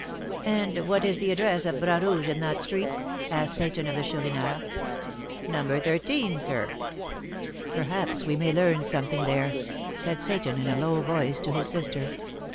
"And what is the address of Bras Rouge in that street?" asked Seyton of the Chourineur. "No. 13, sir." "Perhaps we may learn something there," said Seyton, in a low voice, to his sister.